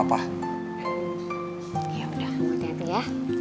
ya udah aku hati hati ya